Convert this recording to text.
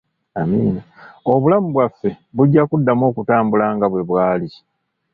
Obulamu bwaffe bujjakuddamu okutambula nga bwe bwali.